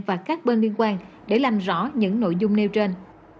và các bên liên quan để làm rõ những nội dung nêu trên